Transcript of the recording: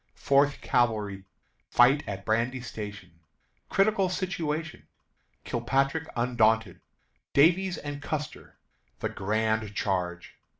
Fourth Cavalry Fight at Brandy Station. Critical Situation. Kilpatrick Undaunted. Davies and Custer. The Grand Charge.